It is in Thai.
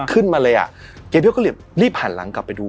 ขึ้นมาเลยอ่ะเจพี่ก็เลยรีบหันหลังกลับไปดู